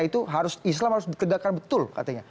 islam harus dikegakkan betul katanya